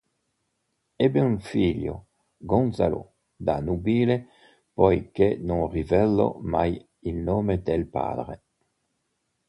Ebbe un figlio, Gonzalo, da nubile, poiché non rivelò mai il nome del padre.